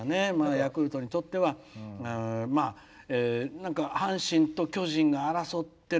ヤクルトにとっては阪神と巨人が争ってる。